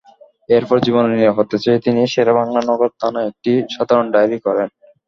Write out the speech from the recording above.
এরপর জীবনের নিরাপত্তা চেয়ে তিনি শেরেবাংলা নগর থানায় একটি সাধারণ ডায়েরি করেন।